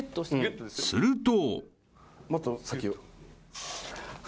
［すると］